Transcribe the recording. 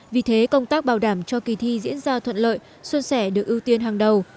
vì thế công tác bảo đảm cho kỳ thi diễn ra thuận lợi xuân sẻ được ưu tiên hàng đầu